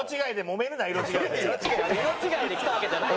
色違いで来たわけじゃない。